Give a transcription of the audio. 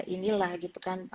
inilah gitu kan